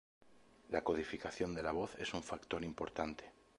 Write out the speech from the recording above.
La codificación de la voz es un factor importante.